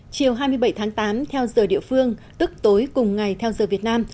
chiều hai mươi bảy tháng tám theo giờ địa phương tức tối cùng ngày theo giờ việt nam